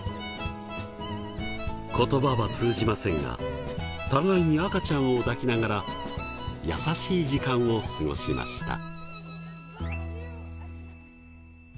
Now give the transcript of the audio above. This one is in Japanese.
言葉は通じませんが互いに赤ちゃんを抱きながら優しい時間を過ごしました。